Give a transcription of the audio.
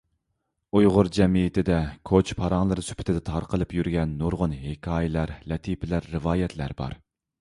ئۇيغۇر جەمئىيىتىدە كوچا پارىڭى سۈپىتىدە تارقىلىپ يۈرگەن نۇرغۇن ھېكايىلەر، لەتىپىلەر، رىۋايەتلەر بار.